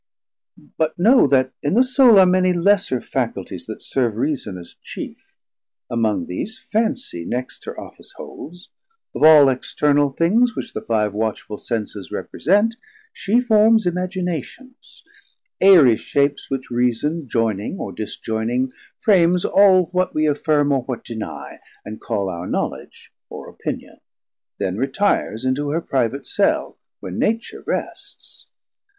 But know that in the Soule 100 Are many lesser Faculties that serve Reason as chief; among these Fansie next Her office holds; of all external things, Which the five watchful Senses represent, She forms Imaginations, Aerie shapes, Which Reason joyning or disjoyning, frames All what we affirm or what deny, and call Our knowledge or opinion; then retires Into her private Cell when Nature rests.